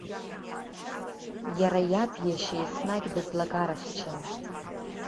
Иара иаб иашьа еснагь дыӡлагарахьчан.